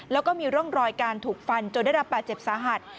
แล้วก็มีร่องรอยการถูกฟันจนได้รับบาดเจ็บสาหัส